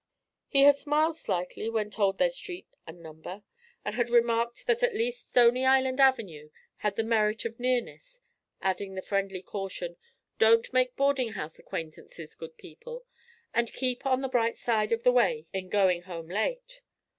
He had smiled slightly when told their street and number, and had remarked that at least Stony Island Avenue had the merit of nearness, adding the friendly caution, 'Don't make boarding house acquaintances, good people, and keep on the bright side of the way in going home late.'